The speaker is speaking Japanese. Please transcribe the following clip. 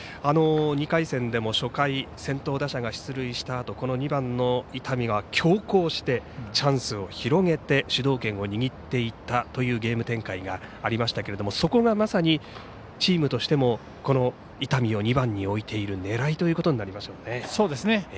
２回戦でも初回先頭打者が出塁したあとこの２番の伊丹が強攻してチャンスを広げて主導権を握っていったというゲーム展開がありましたがそこがまさにチームとしても伊丹を２番に置いている狙いということになりますね。